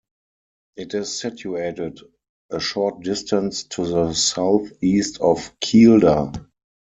It is situated a short distance to the south-east of Kielder.